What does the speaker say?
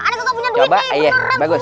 ane gak punya duit nih beneran bener deh bos